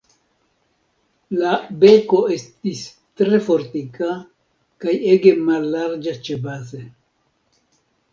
La beko estis tre fortika kaj ege mallarĝa ĉebaze.